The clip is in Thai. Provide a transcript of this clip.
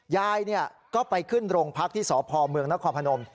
ยายก็ไปขึ้นโรงพักที่สพเมืองนครพนม